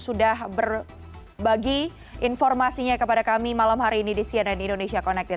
sudah berbagi informasinya kepada kami malam hari ini di cnn indonesia connected